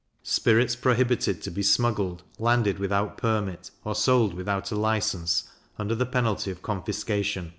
Spirits prohibited to be smuggled, landed without permit, or sold without a license, under the penalty of confiscation.